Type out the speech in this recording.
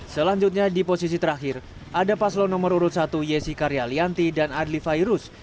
selanjutnya di posisi terakhir ada paslon nomor urut satu yesi karyalianti dan adli fairus